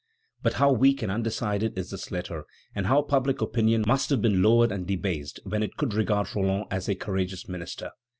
But how weak and undecided is this letter, and how public opinion must have been lowered and debased when it could regard Roland as a courageous minister!